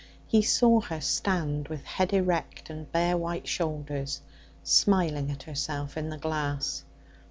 He saw her stand with head erect and bare white shoulders, smiling at herself in the glass.